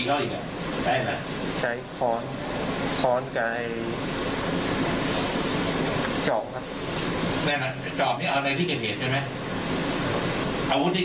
จอบอาวุธที่ใช้เสร็จหมดจะกินไว้ที่นั่นหรือเอาไปเพื่อน